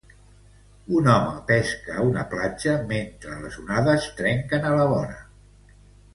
Un home pesca a una platja mentre les onades trenquen a la vora.